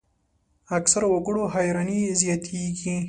اکثرو وګړو حیراني زیاتېږي.